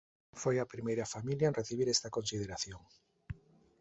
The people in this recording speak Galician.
Foi a primeira familia en recibir esta consideración.